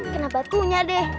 kena batunya deh